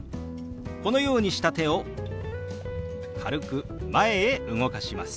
このようにした手を軽く前へ動かします。